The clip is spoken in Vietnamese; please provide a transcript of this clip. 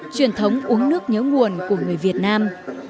truyền thống uống nước nhớ nguồn của người việt nam